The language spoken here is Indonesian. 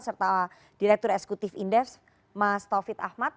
serta direktur esekutif indefs mas taufik ahmad